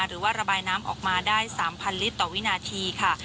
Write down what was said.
หรือว่าระบายน้ำออกมาได้๓๐๐ลิตรต่อวินาทีค่ะ